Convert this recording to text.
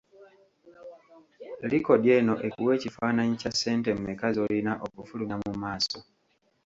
Likodi eno ekuwa ekifaananyi kya ssente mmeka z’oyina okufulumya mu maaso.